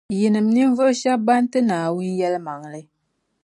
Yinim’ ninvuɣu shɛba ban ti Naawuni yεlimaŋli.